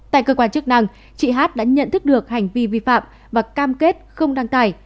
tại cơ quan chức năng chị hát đã nhận thức được hành vi vi phạm và cam kết không đăng tải